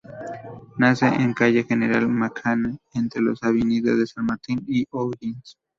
Nace en calle General Mackenna, entre las avenidas San Martín y O'Higgins.